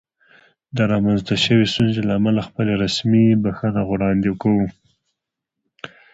د رامنځته شوې ستونزې له امله خپله رسمي بښنه وړاندې کوم.